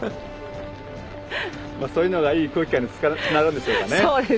そういうのがいい空気につながるんでしょうかね。